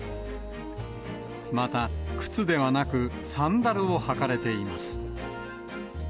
また、靴ではなく、サンダルを履かれています。